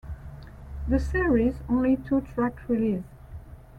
The series' only two-track release.